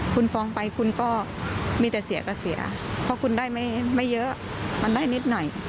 คุณฟ้องไปคุณก็มีแต่เสียก็เสียเพราะคุณได้ไม่เยอะมันได้นิดหน่อย